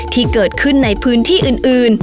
ที่เกิดขึ้นในพื้นที่อื่น